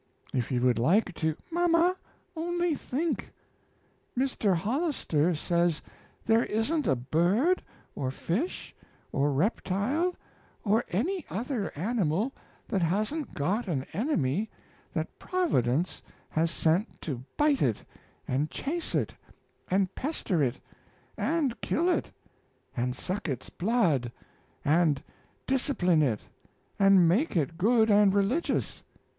If you would like to " "Mama, only think! Mr. Hollister says there isn't a bird, or fish, or reptile, or any other animal that hasn't got an enemy that Providence has sent to bite it and chase it and pester it and kill it and suck its blood and discipline it and make it good and religious.